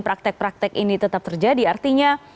praktek praktek ini tetap terjadi artinya